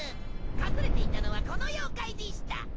隠れていたのはこの妖怪でした。